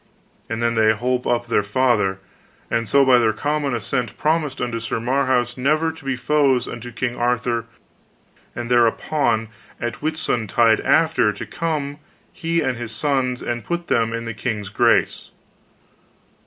And then they holp up their father, and so by their common assent promised unto Sir Marhaus never to be foes unto King Arthur, and thereupon at Whitsuntide after, to come he and his sons, and put them in the king's grace.